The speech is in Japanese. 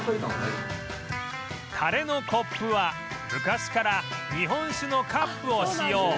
タレのコップは昔から日本酒のカップを使用